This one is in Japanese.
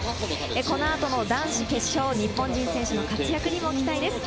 この後の男子決勝、日本人選手の活躍にも期待です。